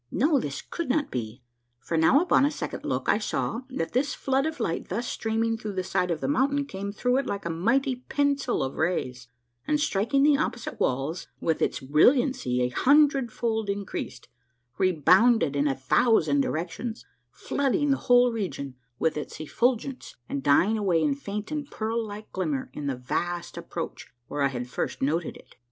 No, this could not be ; for now upon a second look I saw that this flood of light thus streaming through the side of the mountain came through it like a mighty pencil of rays, and striking the opposite walls with its brilliancy a hundred fold increased, re bounded in a thousand directions, flooding the whole region with its effulgence and dying away in faint and pearl like glimmer in the vast approach where I had first noted it.